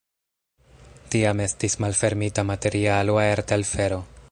Tiam estis malfermita materialo-aertelfero.